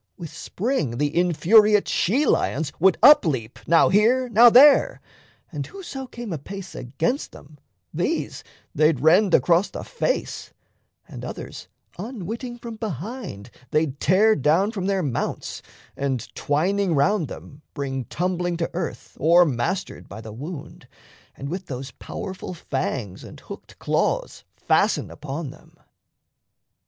With spring The infuriate she lions would up leap Now here, now there; and whoso came apace Against them, these they'd rend across the face; And others unwitting from behind they'd tear Down from their mounts, and twining round them, bring Tumbling to earth, o'ermastered by the wound, And with those powerful fangs and hooked claws Fasten upon them.